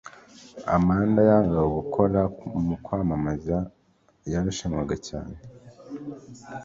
Amanda yangaga gukora mukwamamaza - yarushanwaga cyane